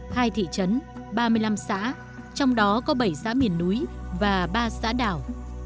hai thị trấn ba mươi năm xã trong đó có bảy xã miền núi và ba xã đảo